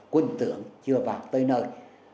quân tưởng chưa vào tới nơi